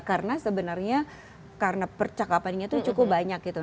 karena sebenarnya karena percakapannya itu cukup banyak gitu